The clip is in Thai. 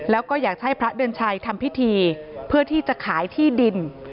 แล้วก็อยากให้พระเดือนชัยทำพิธีเพื่อที่จะขายที่ดิน